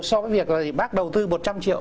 so với việc bác đầu tư một trăm linh triệu